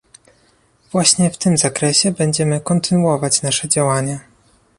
Właśnie w tym zakresie będziemy kontynuować nasze działania